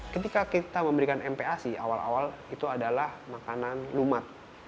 ketika kita memberikan mpac awal awal itu adalah makanan lumak